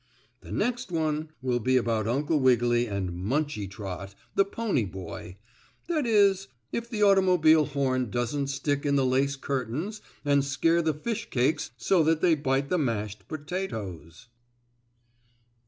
The next one will be about Uncle Wiggily and Munchie Trot, the pony boy that is if the automobile horn doesn't stick in the lace curtains and scare the fish cakes so that they bite the mashed potatoes.